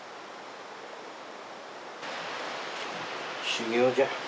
修行じゃ。